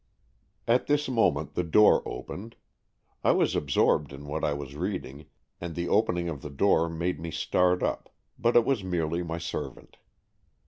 At this moment the door opened. I was absorbed in what I was reading, and the opening of the door made me start up, but it was merely my servant.